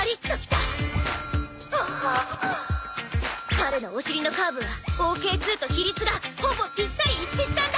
彼のお尻のカーブはＯＫ−２と比率がほぼぴったり一致したんだ！